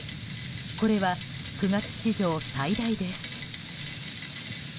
これは９月史上最大です。